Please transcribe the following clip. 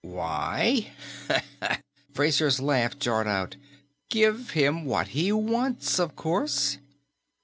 "Why " Fraser's laugh jarred out. "Give him what he wants, of course."